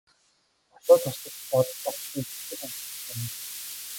Хошуу туслагч бодолд автан сэтгэл гонсгор сууна.